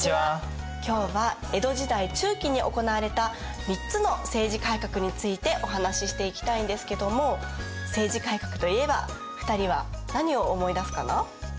今日は江戸時代中期に行われた３つの政治改革についてお話ししていきたいんですけども政治改革といえば２人は何を思い出すかな？